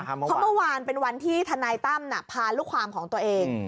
เพราะเมื่อวานเป็นวันที่ทนายตั้มพาลูกความของตัวเอง